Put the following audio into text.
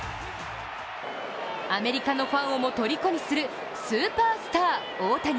アメリカのファンをもとりこにするスーパースター・大谷。